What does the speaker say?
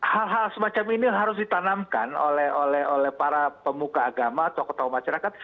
hal hal semacam ini harus ditanamkan oleh para pemuka agama tokoh tokoh masyarakat